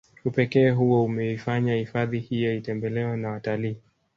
Upekee huo umeifanya hifahdi hiyo itembelewe na watalii